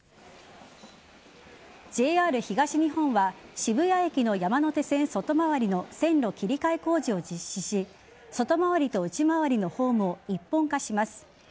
ＪＲ東日本は渋谷駅の山手線外回りの線路切り替え工事を実施し外回りと内回りのホームを一本化します。